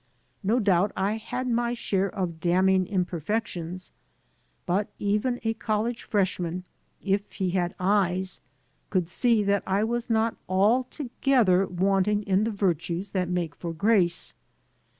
No doubt I had my share of damning imperfections, but even a college freshman, if he had eyes, could see that I was not altogether wanting in the virtues that make for grace.